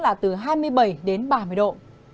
là từ hai mươi bảy đến ba mươi độ